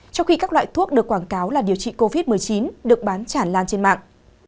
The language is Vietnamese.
trong khi các loại thuốc được quảng cáo là điều trị covid một mươi chín được bán chản lan trên mạng